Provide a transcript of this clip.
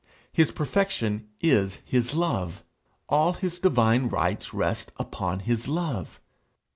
His perfection is his love. All his divine rights rest upon his love.